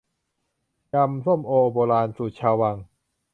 ยำส้มโอโบราณ สูตรชาววัง